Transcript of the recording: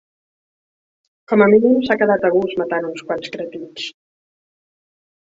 Com a mínim s'ha quedat a gust matant uns quants cretins.